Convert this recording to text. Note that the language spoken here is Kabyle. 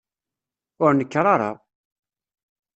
Ur nekker ara!